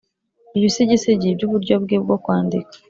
ibisigisigi byuburyo bwe bwo kwandika